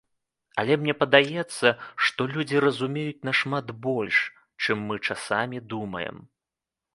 Але мне падаецца, што людзі разумеюць нашмат больш, чым мы часамі думаем.